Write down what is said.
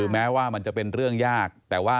แม้ว่ามันจะเป็นเรื่องยาก